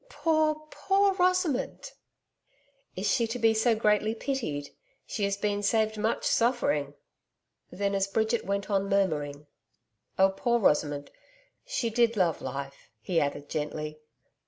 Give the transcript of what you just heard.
Poor, poor Rosamond!' 'Is she to be so greatly pitied! She has been saved much suffering!' Then as Bridget went on murmuring, 'Oh, poor Rosamond, she did love life,' he added gently.